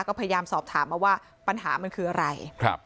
ก็พยายามสอบถามมาว่าปัญหามันคืออะไร